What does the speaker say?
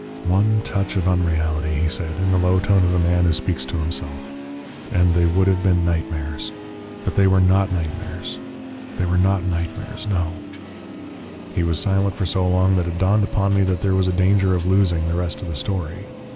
"One touch of unreality," he said, in the low tone of a man who speaks to himself, "and they would have been nightmares. But they were not nightmares they were not nightmares. NO!" He was silent for so long that it dawned upon me that there was a danger of losing the rest of the story.